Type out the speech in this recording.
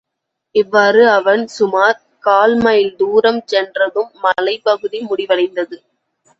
இவ்வாறு அவன் சுமார் கால் மைல் தூரம் சென்றதும் மலைப்பகுதி முடிவடைந்தது.